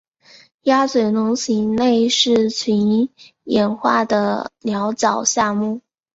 鸭嘴龙形类是群衍化的鸟脚下目。